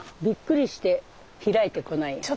びっくりして開いてこない。